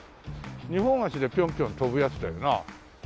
２本足でピョンピョン跳ぶやつだよな。